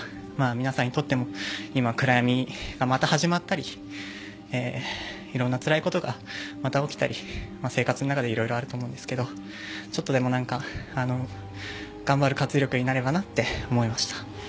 皆さんにとっても今、暗闇がまた始まったりいろんなつらいことがまた起きたり生活の中で色々あると思うんですがちょっとでも頑張る活力になればなと思いました。